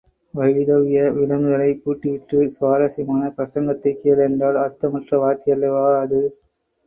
வைதவ்ய விலங்குகளைப் பூட்டிவிட்டுச் சுவாரஸ்யமான பிரசங்கத்தைக் கேள் என்றால் அர்த்தமற்ற வார்த்தையல்லவா அது.